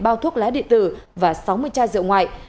ba bao thuốc lá điện tử và sáu mươi chai rượu ngoại